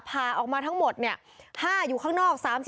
ผ่าออกมาทั้งหมด๕อยู่ข้างนอก